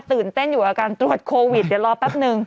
ตื่นเต้นอยู่กับการตรวจโควิดเดี๋ยวรอแป๊บนึง